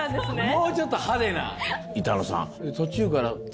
もうちょっと派手な。